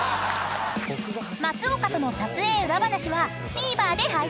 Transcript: ［松岡との撮影裏話はＴＶｅｒで配信］